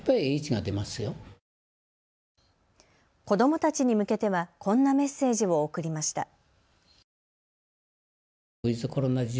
子どもたちに向けてはこんなメッセージを送りました。